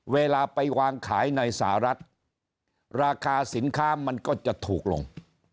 เวลาไปวางขายในสหรัฐราคาสินค้ามันก็จะถูกลง